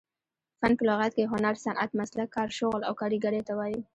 فن په لغت کښي هنر، صنعت، مسلک، کار، شغل او کاریګرۍ ته وايي.